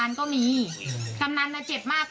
หนูก็พูดอย่างงี้หนูก็พูดอย่างงี้